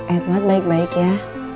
edward baik baik ya